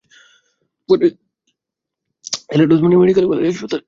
পরে Sylhet Osmani medical college হাসপাতালে চিকিৎসাধীন অবস্থায় তিনি মারা যান।